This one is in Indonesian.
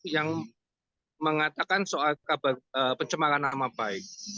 yang mengatakan soal pencemaran nama baik